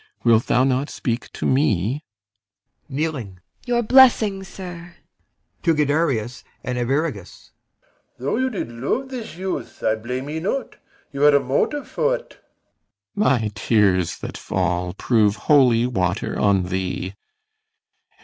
Wilt thou not speak to me? IMOGEN. [Kneeling] Your blessing, sir. BELARIUS. [To GUIDERIUS and ARVIRAGUS] Though you did love this youth, I blame ye not; You had a motive for't. CYMBELINE. My tears that fall Prove holy water on thee!